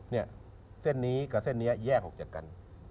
เนี่ยเส้นนี้กับเส้นนี้แยกออกจากกัน